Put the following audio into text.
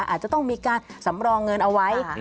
อาจจะต้องมีการสำรองเงินเอาไว้